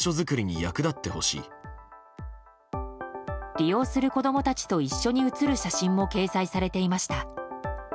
利用する子供たちと一緒に写る写真も掲載されていました。